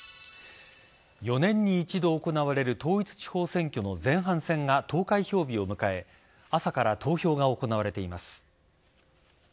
４年に１度行われる統一地方選挙の前半戦が投開票日を迎え朝から投票が行われています。